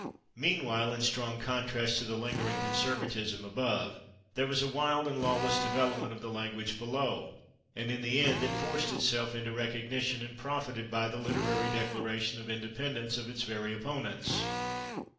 Meanwhile, in strong contrast to the lingering conservatism above there was a wild and lawless development of the language below, and in the end it forced itself into recognition, and profited by the literary declaration of independence of its very opponents.